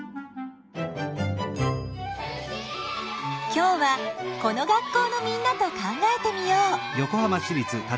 今日はこの学校のみんなと考えてみよう！